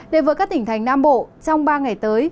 đến với các tỉnh thành nam bộ trong ba ngày tới